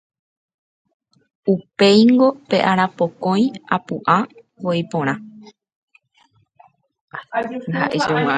Upéingo pe arapokõi apu'ã voi porã.